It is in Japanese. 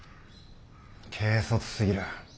軽率すぎる。